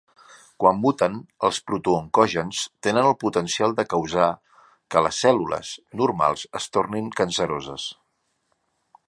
Quan muten, els protooncogens tenen el potencial de causar que les cèl·lules normals es tornin canceroses.